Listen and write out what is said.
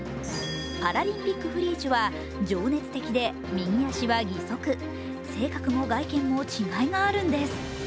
パラリンピック・フリュージュは、情熱的で右足は義足、性格も外見も違いがあるんです。